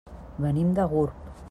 Venim de Gurb.